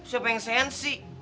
siapa yang sensi